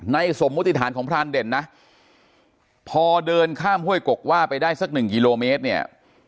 สมมุติฐานของพรานเด่นนะพอเดินข้ามห้วยกกว่าไปได้สักหนึ่งกิโลเมตรเนี่ย